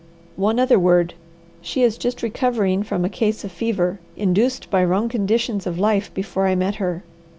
One other word. She is just recovering from a case of fever, induced by wrong conditions of life before I met her.